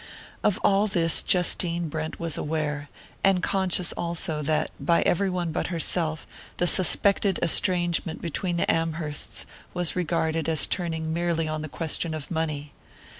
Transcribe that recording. Of all this Justine Brent was aware; and conscious also that, by every one but herself, the suspected estrangement between the Amhersts was regarded as turning merely on the question of money.